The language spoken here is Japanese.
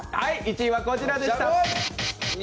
１位はこちらでした。